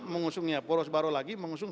mengusungnya poros baru lagi mengusung